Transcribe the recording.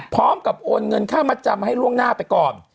พร้อมกับโอนเงินค่ามาจำให้ล่วงหน้าไปก่อน